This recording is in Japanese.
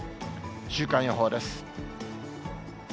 週間予報です。